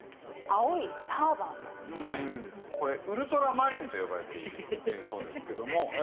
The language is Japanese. これウルトラマリンと呼ばれているそうですけども。